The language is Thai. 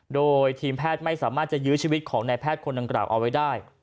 โดยทีมแพทย์ไม่สามารถจะยื้อชีวิตของนายแพทย์คนดังกล่าวเอาไว้ได้